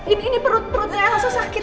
ini perut perutnya elsa sakit